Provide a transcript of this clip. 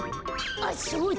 あっそうだ。